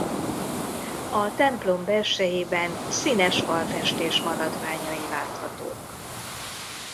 A templom belsejében színes falfestés maradványai láthatók.